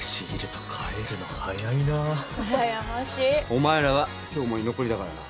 お前らは今日も居残りだからな。